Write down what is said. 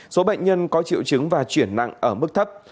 số bệnh nhân có triệu chứng và chuyển nặng ở mức thấp